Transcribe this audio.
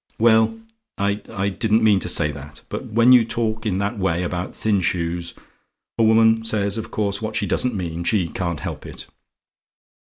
Well, I I didn't mean to say that; but when you talk in that way about thin shoes, a woman says, of course, what she doesn't mean; she can't help it.